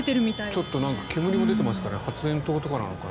ちょっと煙も出てますから発煙筒とかなのかな。